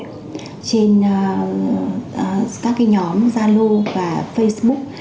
trên các nhóm zalo và facebook